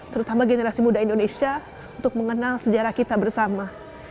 terutama generasi muda indonesia untuk mengenal sejarah kita bersama